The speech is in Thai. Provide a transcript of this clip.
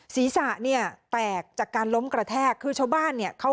ศีรษะแตกจากการล้มกระแทก